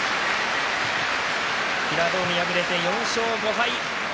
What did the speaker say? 平戸海、敗れて４勝５敗。